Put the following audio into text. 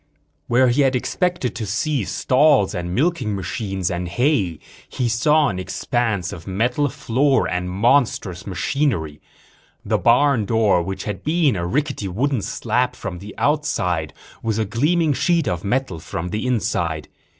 Where he had expected to see stalls and milking machines and hay he saw an expanse of metal floor and monstrous machinery. The barn door which had been a rickety wooden slab from the outside was a gleaming sheet of metal from the inside.